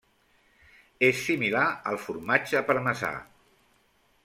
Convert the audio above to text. És similar al formatge parmesà.